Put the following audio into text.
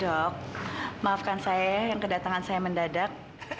dok maafkan saya yang kedatangan saya mendadak